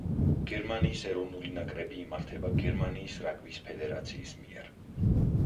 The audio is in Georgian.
გერმანიის ეროვნული ნაკრები იმართება გერმანიის რაგბის ფედერაციის მიერ.